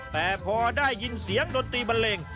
แต่พอได้ยินเสียงดนตรีบันเลง